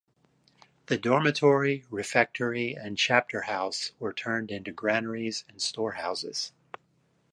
The dormitory, refectory and chapter house were turned into granaries and storehouses.